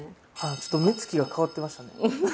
ちょっと目つきが変わってましたね。